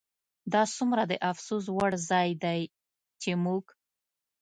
دا څومره د افسوس وړ ځای دی چې موږ